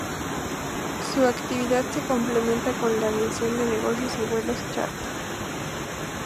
Su actividad se complementa con la aviación de negocios y vuelos chárter.